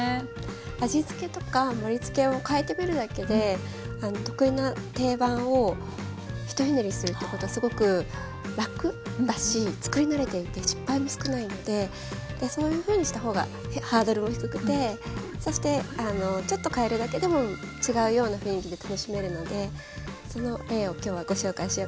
味付けとか盛りつけを変えてみるだけで得意な定番を一ひねりするってことはすごく楽だし作りなれていって失敗も少ないのでそういうふうにしたほうがハードルも低くてそしてちょっと変えるだけでも違うような雰囲気で楽しめるのでその例をきょうはご紹介しようかなと思います。